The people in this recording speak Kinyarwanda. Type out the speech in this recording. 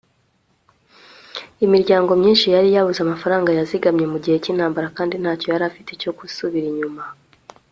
Imiryango myinshi yari yarabuze amafaranga yazigamye mugihe cyintambara kandi ntacyo yari ifite cyo gusubira inyuma